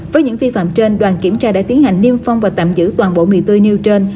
với những vi phạm trên đoàn kiểm tra đã tiến hành niêm phong và tạm giữ toàn bộ mì tươi nêu trên